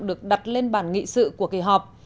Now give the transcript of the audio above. được đặt lên bản nghị sự của kỳ họp